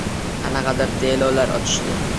qanaqadir «delo»lar ochishdi